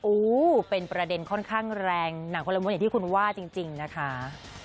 อู้เป็นประเด็นค่อนข้างแรงหนังคนละม้วนอย่างที่คุณว่าจริงนะคะ